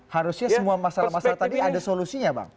harusnya semua masalah masalah tadi ada solusinya bang